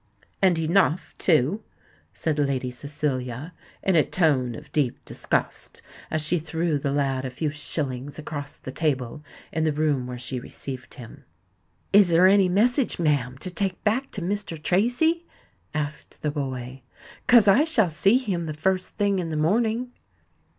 "And enough too," said Lady Cecilia, in a tone of deep disgust, as she threw the lad a few shillings across the table in the room where she received him. "Is there any message, ma'am, to take back to Mr. Tracy?" asked the boy; "'cos I shall see him the first thing in the morning."